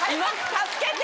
助けて。